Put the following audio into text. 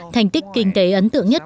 thành tích kinh tế ấn tượng nhất